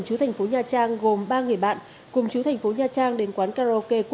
chú thành phố nhà trang gồm ba người bạn cùng chú thành phố nhà trang đến quán karaoke